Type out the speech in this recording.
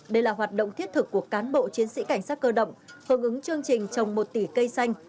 đây là hoạt động thiết thực của cán bộ chiến sĩ cảnh sát cơ động hướng ứng chương trình trồng một tỷ cây xanh